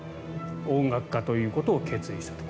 音楽家ということを決意したと。